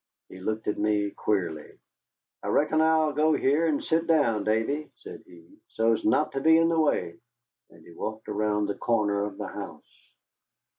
He looked at me queerly. "I reckon I'll go here and sit down, Davy," said he, "so's not to be in the way." And he walked around the corner of the house.